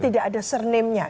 tidak ada surnamenya